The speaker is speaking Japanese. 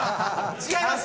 違いますよ！